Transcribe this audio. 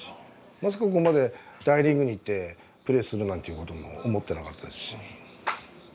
まさかここまで大リーグに行ってプレーするなんていうことも思ってなかったですし。